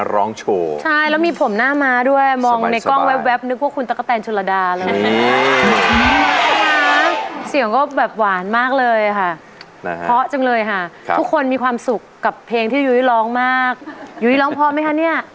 ร้องหายวันใดให้ฉันดูแลใจเธอ